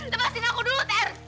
lepasin aku dulu ter